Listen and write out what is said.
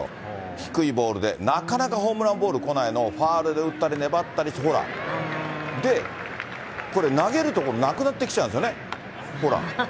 低いボールで、なかなかホームランボールこないのをファウルで打ったり粘ったりして、ほら、で、これ、投げる所なくなってきちゃうんですよね、ほら。